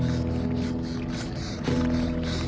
ああ！